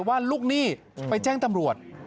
ว่าลูกหนี้ไปแจ้งตำรวจ